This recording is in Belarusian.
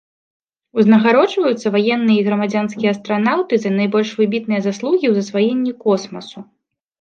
Узнагароджваюцца ваенныя і грамадзянскія астранаўты за найбольш выбітныя заслугі ў засваенні космасу.